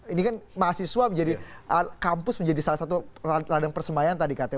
ini kan mahasiswa menjadi kampus menjadi salah satu ladang persemayan tadi katanya